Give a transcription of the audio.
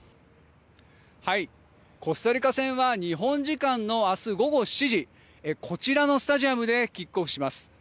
コスタリカ戦は日本時間の明日午後７時こちらのスタジアムでキックオフします。